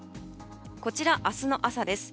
こちら、明日の朝です。